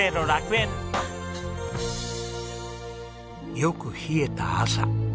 よく冷えた朝。